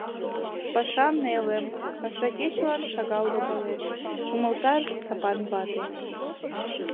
Паша неле, пашакечылан шагал логалеш, — умылтарыш Сапан вате.